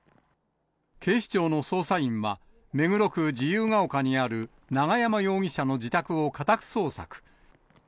警視庁の捜査員は、目黒区自由が丘にある永山容疑者の自宅を家宅捜索。